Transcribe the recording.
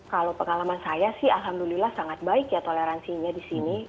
kalau pengalaman saya sih alhamdulillah sangat baik ya toleransinya di sini